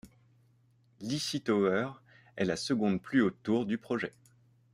L' Issy Tower est la seconde plus haute tour du projet.